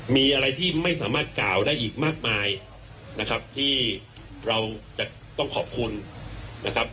มีอะไรที่ไม่สามารถกล่าวได้อีกมากมายนะครับที่เราจะต้องขอบคุณนะครับ